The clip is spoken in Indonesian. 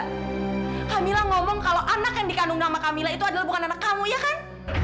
kak mila ngomong kalau anak yang dikandung nama camilla itu adalah bukan anak kamu ya kan